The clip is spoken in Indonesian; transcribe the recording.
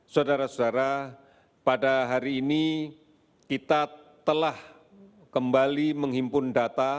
saudara saudara pada hari ini kita telah kembali menghimpun data